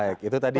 baik itu tadi